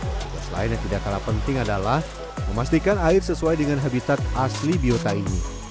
tugas lain yang tidak kalah penting adalah memastikan air sesuai dengan habitat asli biota ini